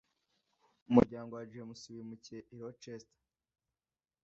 umuryango wa James wimukiye i Rochester